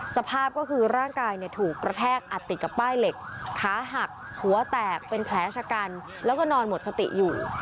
สภาพก็คือร่างกายถูกกระแทกอัดติดกับป้ายเหล็กขาหักหัวแตกเป็นแผลชะกันแล้วก็นอนหมดสติอยู่